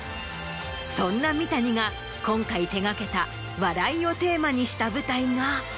そんな三谷が今回手掛けた「笑い」をテーマにした舞台が。